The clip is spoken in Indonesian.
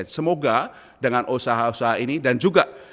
semoga dengan usaha usaha ini dan juga